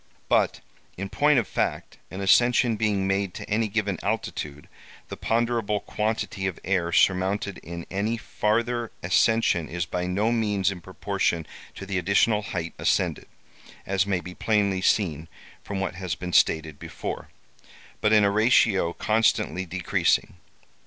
"But, in point of fact, an ascension being made to any given altitude, the ponderable quantity of air surmounted in any farther ascension is by no means in proportion to the additional height ascended (as may be plainly seen from what has been stated before), but in a ratio constantly decreasing.